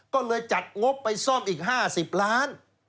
ก็เลยจัดงบไปซ่อมอีก๕๐ล้าน